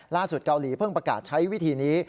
เกาหลีเพิ่งประกาศใช้วิธีนี้